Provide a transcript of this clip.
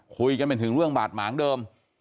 คุยกันไปถึงเรื่องบาดหมางเดิม